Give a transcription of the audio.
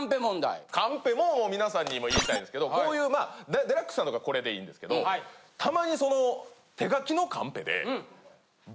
カンペも皆さんにも言いたいんですけどこういう『ＤＸ』さんとかこれでいいんですけどたまにその手書きのカンペで。